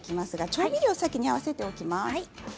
調味料を先に合わせていきます。